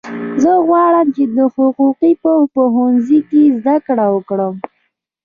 زه غواړم چې د حقوقو په پوهنځي کې زده کړه وکړم